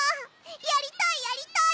やりたいやりたい！